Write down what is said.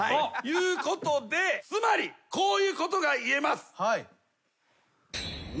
つまりこういうことが言えます。